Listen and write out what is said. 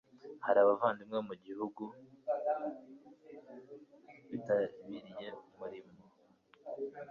Hari abavandimwe bo mu gihugu bitabiriye umurimo